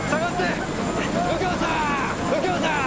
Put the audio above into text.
右京さーん！